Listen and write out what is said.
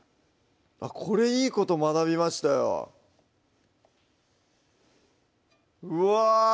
これいいこと学びましたようわ